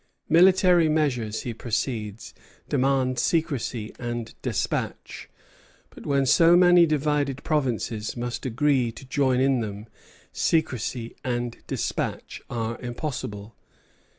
Military measures, he proceeds, demand secrecy and despatch; but when so many divided provinces must agree to join in them, secrecy and despatch are impossible.